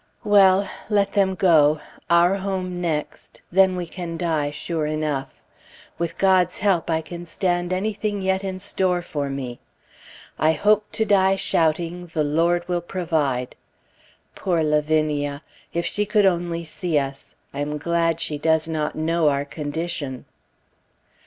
Well! let them go; our home next; then we can die sure enough. With God's help, I can stand anything yet in store for me. "I hope to die shouting, the Lord will provide!" Poor Lavinia! if she could only see us! I am glad she does not know our condition.